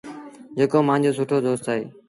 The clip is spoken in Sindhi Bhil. جيڪو مآݩجو سُٺو دوست اهي۔